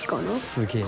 すげえ。